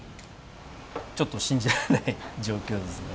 ちょっと信じられない状況ですね